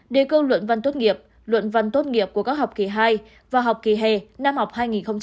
đề câu luận văn tốt nghiệp luận văn tốt nghiệp của các học kỳ hai và học kỳ hè năm học hai nghìn hai mươi hai nghìn hai mươi